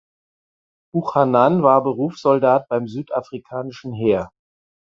Buchanan war Berufssoldat beim südafrikanischen Heer.